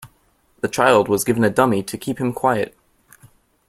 The child was given a dummy to keep him quiet